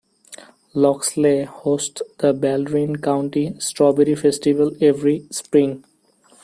Loxley hosts the Baldwin County Strawberry Festival every spring.